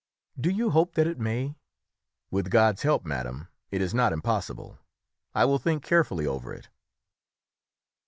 "Do you hope that it may?" "With God's help, madam, it is not impossible; I will think carefully over it."